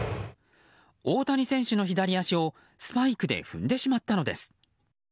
大谷選手の左足をスパイクで踏んでしまったのです。